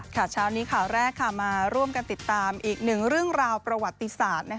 เช้านี้ข่าวแรกมาร่วมกันติดตามอีกหนึ่งเรื่องราวประวัติศาสตร์